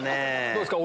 どうですか？